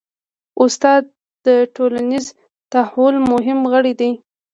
استاد د ټولنیز تحول مهم غړی دی.